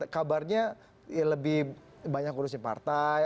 kabarnya lebih banyak ngurusin partai